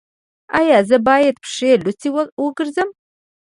ایا زه باید پښې لوڅې وګرځم؟